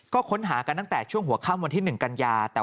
ก็ค้นหากันตั้งแต่ช่วงหัวค่ำวันที่๑กันยา